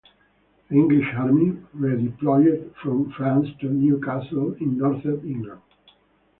The English army redeployed from France to Newcastle in northern England.